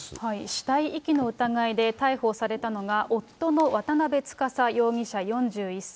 死体遺棄の疑いで逮捕されたのが、夫の渡辺司容疑者４１歳。